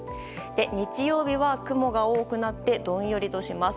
日曜日は雲が多くなってどんよりします。